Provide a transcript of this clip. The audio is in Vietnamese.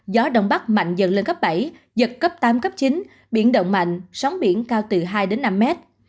gió đông bắc mạnh dần lên cấp bảy giật cấp tám cấp chín biển động mạnh sóng biển cao từ hai đến năm mét